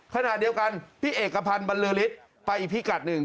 ขณะเดียวกันพี่เอกพันธ์บรรลือฤทธิ์ไปอีกพิกัดหนึ่ง